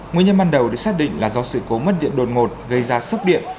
nguyên nhân ban đầu được xác định là do sự cố mất điện đột ngột gây ra sốc điện